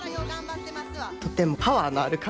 とてもパワーのある感じ。